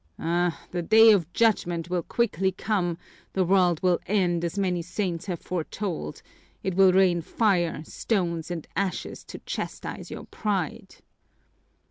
Ah, the day of judgment will quickly come, the world will end, as many saints have foretold; it will rain fire, stones, and ashes to chastise your pride!"